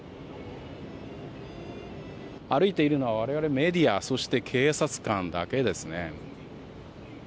歩いているのは我々メディアそして、警察官だけですね。